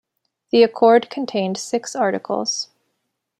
The accord contained six articles.